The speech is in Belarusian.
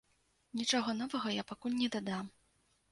Нічога новага я пакуль не дадам.